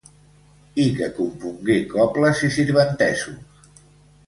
I que compongué cobles i sirventesos.